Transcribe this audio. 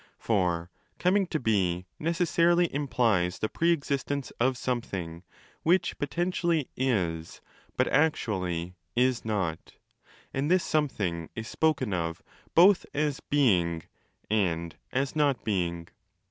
For coming to be necessarily implies the pre existence of something which potentially 'is', but actually 'is not'; and this something is spoken of both as ' being' and as ' not being'.